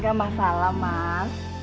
nggak masalah mas